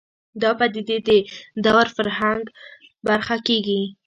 دا پدیدې د دور فرهنګ برخه کېږي